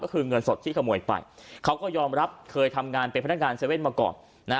ก็คือเงินสดที่ขโมยไปเขาก็ยอมรับเคยทำงานเป็นพนักงาน๗๑๑มาก่อนนะ